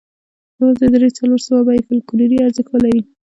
یوازې درې څلور سوه به یې فوکلوري ارزښت ولري.